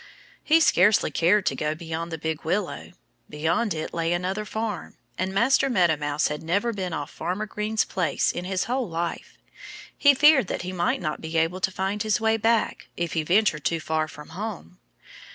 He scarcely cared to go beyond the big willow. Beyond it lay another farm. And Master Meadow Mouse had never been off Farmer Green's place in his whole life. He feared that he might not be able to find his way back, if he ventured too far from home.